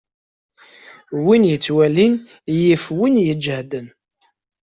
Win itewlen yif win iǧehden.